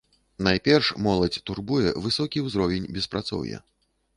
Найперш моладзь турбуе высокі ўзровень беспрацоўя.